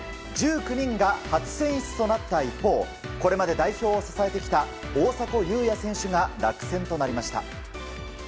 １９人が初選出となった一方これまで代表を支えてきた大迫勇也選手が落選となりました。